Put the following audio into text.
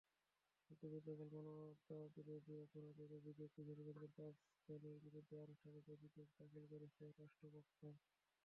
মুক্তিযুদ্ধকালে মানবতাবিরোধী অপরাধের অভিযোগে কিশোরগঞ্জের পাঁচজনের বিরুদ্ধে আনুষ্ঠানিক অভিযোগ দাখিল করেছে রাষ্ট্রপক্ষ।